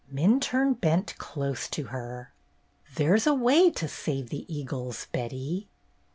Minturne bent close to her. "There 's a way to save the eagles, Betty."